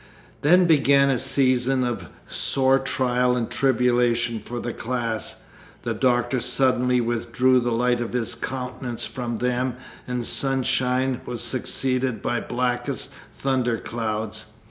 Then began a season of sore trial and tribulation for the class. The Doctor suddenly withdrew the light of his countenance from them, and sunshine was succeeded by blackest thunderclouds.